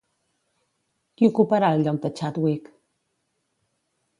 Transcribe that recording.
Qui ocuparà el lloc de Chadwick?